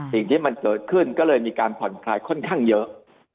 สิ่งที่มันเกิดขึ้นก็เลยมีการผ่อนคลายค่อนข้างเยอะ